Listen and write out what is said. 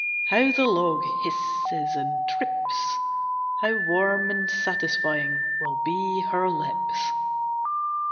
How the log hisses and drips! How warm and satisfying will be her lips!